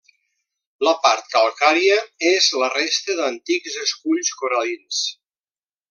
La part calcària és la resta d'antics esculls coral·lins.